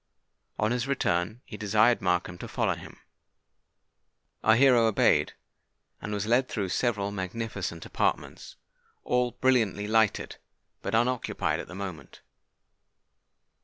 On his return, he desired Markham to follow him. Our hero obeyed, and was led through several magnificent apartments, all brilliantly lighted, but unoccupied at the moment.